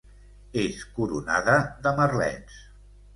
És coronada de merlets.